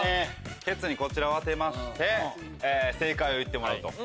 ケツにこちらを当てまして正解を言ってもらうと。